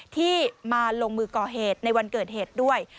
ที่มาลงมือก่อเหตุในวันเกิดเหตุด้วย